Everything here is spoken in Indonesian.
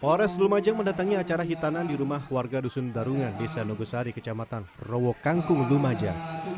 polres lumajang mendatangi acara hitanan di rumah warga dusun darungan desa nogosari kecamatan rowo kangkung lumajang